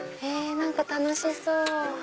何か楽しそう！